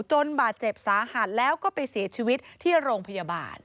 บาดเจ็บสาหัสแล้วก็ไปเสียชีวิตที่โรงพยาบาล